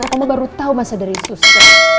omong baru tau masa dari susah